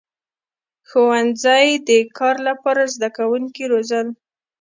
• ښوونځي د کار لپاره زدهکوونکي روزل.